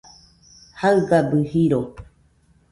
jaɨgabɨ jiro